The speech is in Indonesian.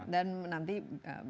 dan nanti berhasil